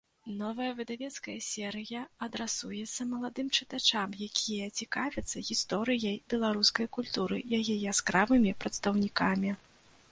Новая выдавецкая серыя адрасуецца маладым чытачам, якія цікавяцца гісторыяй беларускай культуры, яе яскравымі прадстаўнікамі.